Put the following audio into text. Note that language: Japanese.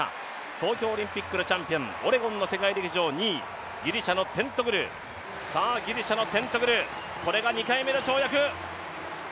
東京オリンピックのチャンピオン、オレゴンの世界陸上２位、ギリシャのテントグル、これが２回目の跳躍。